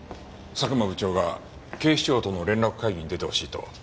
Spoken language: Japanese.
佐久間部長が警視庁との連絡会議に出てほしいと。